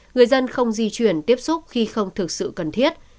người dân không di chuyển tiếp xúc khi không thực sự cần thiết